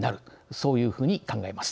そういうふうに考えます。